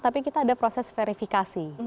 tapi kita ada proses verifikasi